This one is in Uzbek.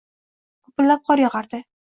Gupillab qor yogʻardi.